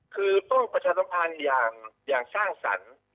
คือต้องประชาสัมพันธ์อย่างสร้างสรรค์